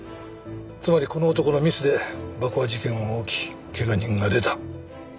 つまりこの男のミスで爆破事件は起き怪我人が出た。